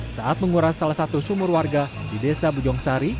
saat menguras salah satu sumur warga di desa bujongsari